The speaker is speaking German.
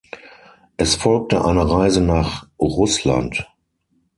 Es folgte eine Reise nach Russland.